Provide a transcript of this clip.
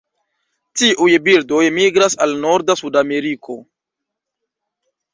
Tiuj birdoj migras al norda Sudameriko.